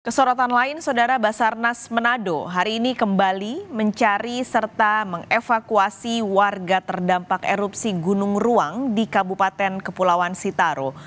kesorotan lain saudara basarnas manado hari ini kembali mencari serta mengevakuasi warga terdampak erupsi gunung ruang di kabupaten kepulauan sitaro